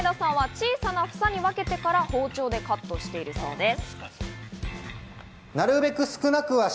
ちなみに前田さんは小さな房に分けてから包丁でカットしているそうです。